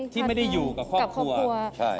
ที่ไม่ได้อยู่กับครอบครัวใช่